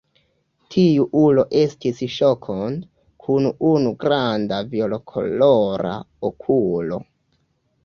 Tiu ulo estis Ŝokond, kun unu granda violkolora okulo.